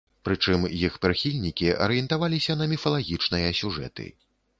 Прычым, іх прыхільнікі арыентаваліся на міфалагічныя сюжэты.